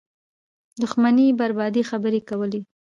دښمنۍ بربادۍ خبرې کولې